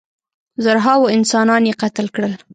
زرهاوو انسانان یې قتل کړل.